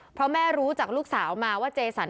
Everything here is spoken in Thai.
เพราะแม่รู้จากลูกสาวมาว่าเจสัน